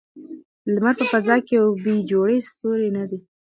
لمر په فضا کې یو بې جوړې ستوری نه دی.